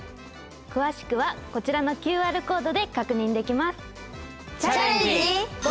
詳しくはこちらのＱＲコードで確認できます。